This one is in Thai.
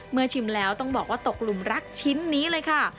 ชิมแล้วต้องบอกว่าตกหลุมรักชิ้นนี้เลยค่ะ